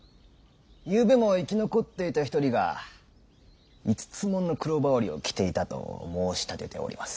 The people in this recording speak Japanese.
ゆうべも生き残っていた一人が「五つ紋の黒羽織を着ていた」と申し立てております。